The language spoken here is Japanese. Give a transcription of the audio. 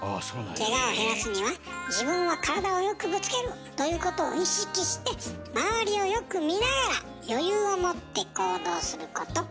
けがを減らすには「自分は体をよくぶつける」ということを意識して周りをよく見ながら余裕を持って行動すること。